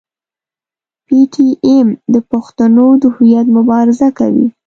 پي ټي ایم د پښتنو د هویت مبارزه کوي.